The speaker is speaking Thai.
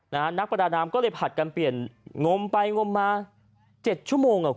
นักประดาน้ำก็เลยผาดกันเปลี่ยนงมไปงมมา๗ชั่วโมง